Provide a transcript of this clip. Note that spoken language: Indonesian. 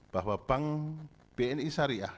bahwa bank bni syariah